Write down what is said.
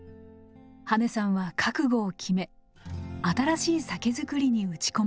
羽根さんは覚悟を決め新しい酒造りに打ち込むことに。